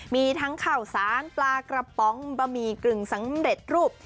มีทั้งข้าวสารปลากระป๋องบะหมี่กึ่งสำเร็จรูป